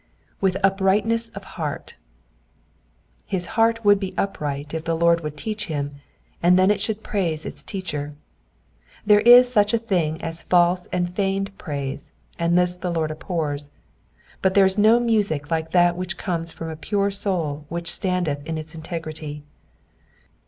^''W'Uh uprightness of heart,'*'* His heart would be upright if the Lord would teach him, and then it should praise its teacher. There is such a thing as false and feigned praise, and this the Lord abhors ; but there is no music like that which comes from a pure soul which standeth in its integrity.